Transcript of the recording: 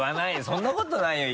そんなことないよ！